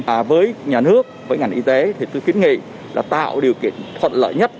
à với nhà nước với ngành y tế thì tôi kiến nghị là tạo điều kiện thuận lợi nhất